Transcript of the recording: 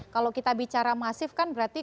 kalau kita bicara masif kan berarti